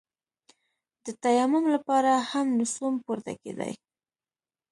د تيمم لپاره هم نسوم پورته کېداى.